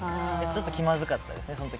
その時は気まずかったですね。